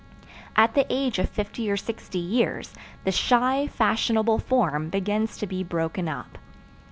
At the age of fifty or sixty years, the shy, fashionable form begins to be broken up.